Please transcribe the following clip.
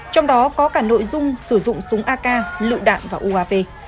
trong đó có cả nội dung sử dụng súng ak lựu đạn và uav